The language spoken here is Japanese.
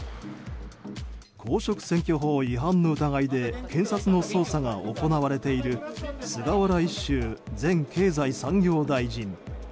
公職選挙法違反の疑いで検察の捜査が行われている菅原一秀前経済産業大臣。